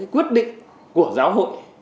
quyết định của giáo hội